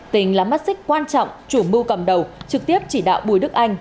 tình là mắt xích quan trọng chủ mưu cầm đầu trực tiếp chỉ đạo bùi đức anh